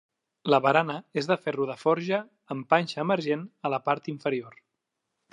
La barana és de ferro de forja amb panxa emergent a la part inferior.